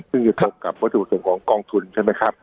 ซึ่งจะตกกับวัตถุประสงค์ของกองทุนใช่ไหมครับ